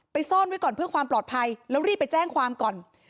ซ่อนไว้ก่อนเพื่อความปลอดภัยแล้วรีบไปแจ้งความก่อน